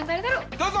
どうぞ！